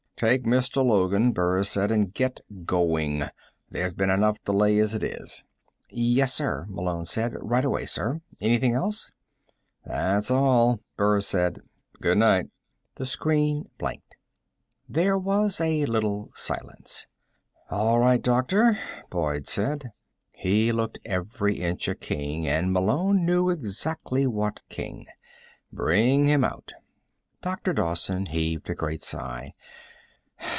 "Take Mr. Logan," Burris said, "and get going. There's been enough delay as it is." "Yes, sir," Malone said. "Right away, sir. Anything else?" "That's all," Burris said. "Good night." The screen blanked. There was a little silence. "All right, doctor," Boyd said. He looked every inch a king, and Malone knew exactly what king. "Bring him out." Dr. Dowson heaved a great sigh.